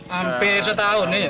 hampir setahun ini